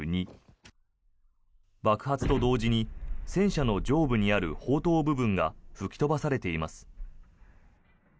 爆発と同時に戦車の上部にある砲塔が吹き飛ばされています。